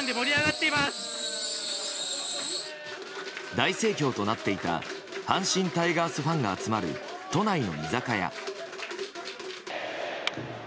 大盛況となっていた阪神タイガースファンが集まる都内の居酒屋。